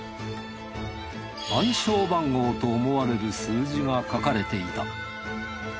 暗証番号と思われる数字が書かれていた。